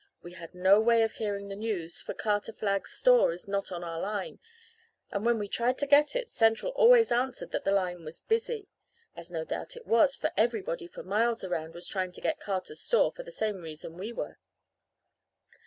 We had no way of hearing the news, for Carter Flagg's store is not on our line, and when we tried to get it Central always answered that the line 'was busy' as no doubt it was, for everybody for miles around was trying to get Carter's store for the same reason we were.